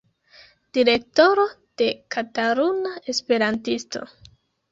Direktoro de Kataluna Esperantisto.